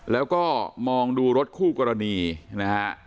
แล้วก็มองดูรถคู่กรณีนะฮะ